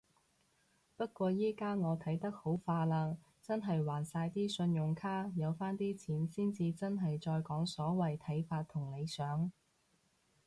不過依家我睇得好化啦，真係還晒啲信用卡。有返啲錢先至真係再講所謂睇法同理想